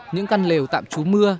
những căn lều tạm chú mưa